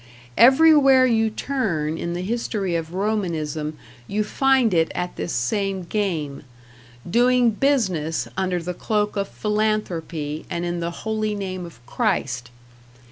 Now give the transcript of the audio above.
Everywhere you turn in the history of Romanism you find it at this same game, doing business under the cloak of philanthropy and in the holy name of Christ.